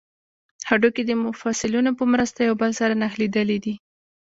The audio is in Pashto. هډوکي د مفصلونو په مرسته یو بل سره نښلیدلي دي